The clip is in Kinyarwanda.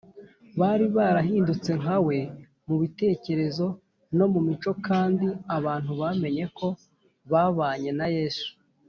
bari barahindutse nka we mu bitekerezo no mu mico, kandi abantu bamenye ko babanye na yesu